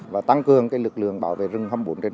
và tăng cường lực lượng bảo vệ rừng hai mươi bốn hai mươi bốn